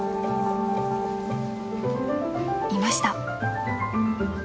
［いました］